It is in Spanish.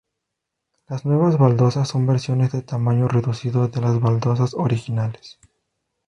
Las nuevas baldosas son versiones de tamaño reducido de las baldosas originales.